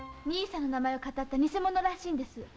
兄さんの名前をかたった偽者らしいんです。